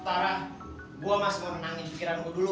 tara gue masih mau menangin pikiran lo dulu